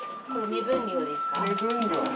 目分量。